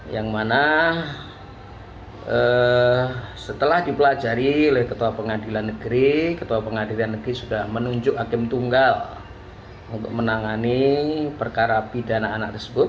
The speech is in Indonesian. yang mana setelah dipelajari oleh ketua pn ketua pn sudah menunjuk hakim tunggal untuk menangani perkara pidana anak tersebut